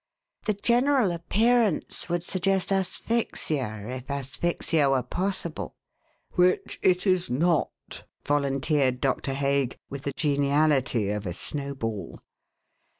"The general appearance would suggest asphyxia, if asphyxia were possible." "Which it is not," volunteered Doctor Hague, with the geniality of a snowball.